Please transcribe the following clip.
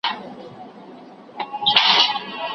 خدای خبر چي به مستیږي زما غزل پر شهبازونو